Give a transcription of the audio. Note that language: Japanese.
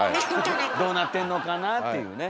どうなってんのかなっていうね。